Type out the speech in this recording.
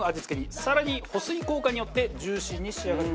更に保水効果によってジューシーに仕上がります。